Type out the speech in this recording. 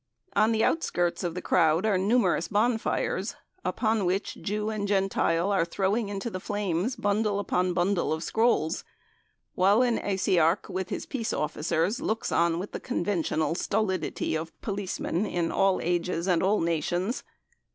On the outskirts of the crowd are numerous bonfires, upon which Jew and Gentile are throwing into the flames bundle upon bundle of scrolls, while an Asiarch with his peace officers looks on with the conventional stolidity of policemen in all ages and all nations.